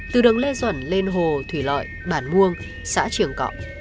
từ đường lê duẩn lên hồ thủy lợi bản muông xã trường cọ